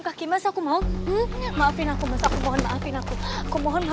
diforq mengambil bobby sampai tahan ke atas menunjukkan ke tujuh